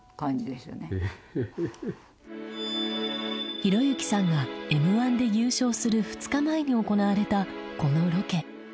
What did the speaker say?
浩之さんがＭ−１で優勝する２日前に行われたこのロケ。